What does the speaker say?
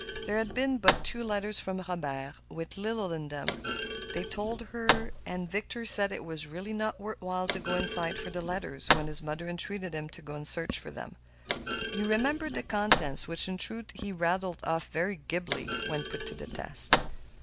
There had been but two letters from Robert, with little in them, they told her. Victor said it was really not worth while to go inside for the letters, when his mother entreated him to go in search of them. He remembered the contents, which in truth he rattled off very glibly when put to the test.